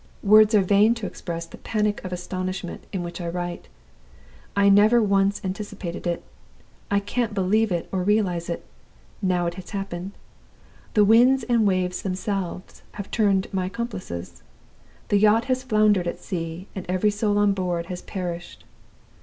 Words are vain to express the panic of astonishment in which I write. I never once anticipated it; I can't believe it or realize it, now it has happened. The winds and waves themselves have turned my accomplices! The yacht has foundered at sea, and every soul on board has perished!